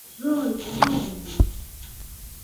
იყენებენ ხე-ტყის დასაცურებლად.